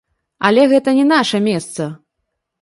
Але гэта не наша месца!